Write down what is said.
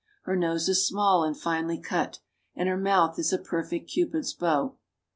... Her nose is small and finely cut, and her mouth is a perfect cupid's bow. .